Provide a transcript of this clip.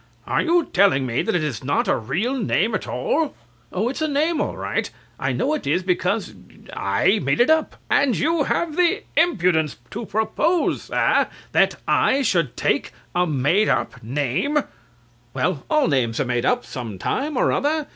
Are you telling me that it is not a real name at all? CLIFTON. Oh, it's a name all right. I know it is because er I made it up. CRAWSHAW (outraged). And you have the impudence to propose, sir, that I should take a made up name? CLIFTON (soothingly). Well, all names are made up some time or other.